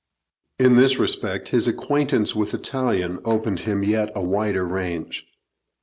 In this respect his acquaintance with Italian opened him yet a wider range.